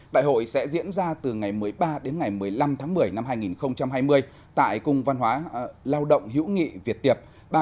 đại hội sẽ diễn ra từ ngày một mươi ba đến ngày một mươi năm tháng một mươi năm hai nghìn hai mươi tại cung văn hóa lao động hữu nghị việt tiệp